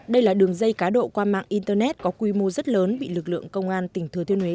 đây là đường dây cá độ qua mạng internet có quy mô rất lớn bị lực lượng công an tỉnh thừa thiên huế